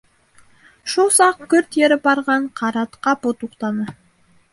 Шул саҡ көрт йырып барған Ҡарат ҡапыл туҡтаны.